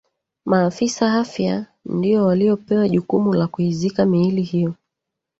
maafisa afya ndio waliopewa jukumu la kuizika miili hiyo